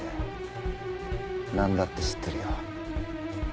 何だって知ってるよ。